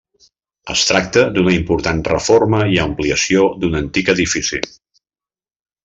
Es tracta d'una important reforma i ampliació d'un antic edifici.